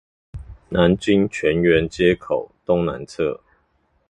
南京泉源街口東南側